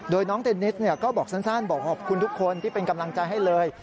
โดยน้องเทนนิสก็บอกสั้นบอกขอบคุณทุกคนที่เป็นกำลังใจให้เลย